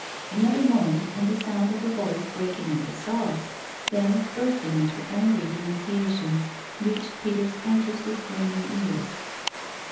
Another moment and the sound of a voice breaking into sobs, then bursting into angry denunciations, reached Peter's anxiously straining ears.